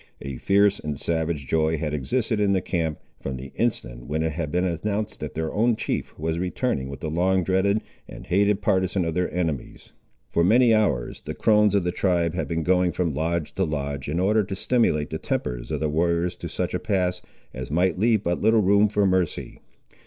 A fierce and savage joy had existed in the camp, from the instant when it had been announced that their own chief was returning with the long dreaded and hated partisan of their enemies. For many hours the crones of the tribe had been going from lodge to lodge, in order to stimulate the tempers of the warriors to such a pass, as might leave but little room for mercy.